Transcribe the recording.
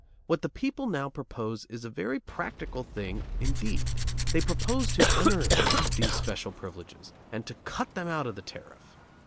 What the people now propose is a very practical thing indeed: They propose to unearth these special privileges and to cut them out of the tariff.